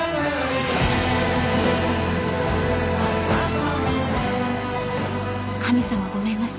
［神様ごめんなさい］